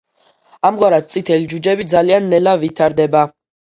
ამგვარად, წითელი ჯუჯები ძალიან ნელა ვითარდება.